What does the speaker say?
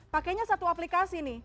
pakainya satu aplikasi nih